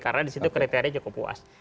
karena disitu kriteria cukup puas